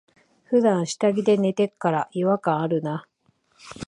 ふだん下着で寝てっから、違和感あるな。